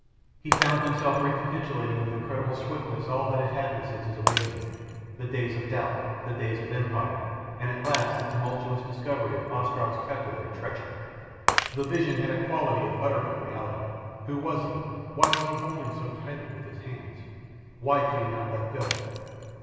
He found himself recapitulating with incredible swiftness all that had happened since his awakening, the days of doubt, the days of Empire, and at last the tumultuous discovery of Ostrog's calculated treachery. The vision had a quality of utter unreality. Who was he? Why was he holding so tightly with his hands? Why could he not let go?